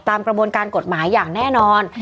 ตามกระบวนการกฎหมายอย่างแน่นอน